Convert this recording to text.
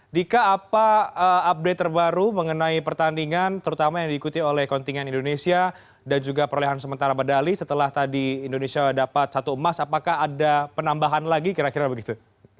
dika apa update terbaru mengenai pertandingan terutama yang diikuti oleh kontingen indonesia dan juga perolehan sementara medali setelah tadi indonesia dapat satu emas apakah ada penambahan lagi kira kira begitu